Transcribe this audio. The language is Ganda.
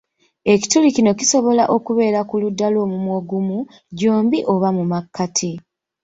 Ekituli kino kisobola okubeera ku ludda lw'omumwa ogumu, gyombi oba mu makkati